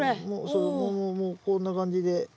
もうもうもうこんな感じで。